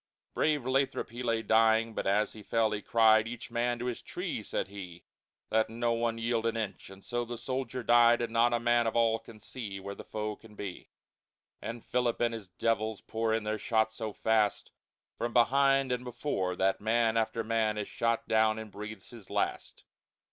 Brave Lathrop, he lay dying; but as he fell he cried, "Each Man to his Tree," said he, "Let no one yield an Inch;" and so the Soldier died; And not a Man of all can see Where the Foe can be. And Philip and his Devils pour in their Shot so fast, From behind and before, That Man after Man is shot down and breathes his last.